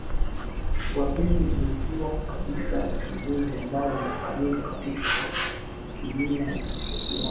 wa pili umekuwa kabisa uchaguzi ambao umefanyika katika kimia usipokuwa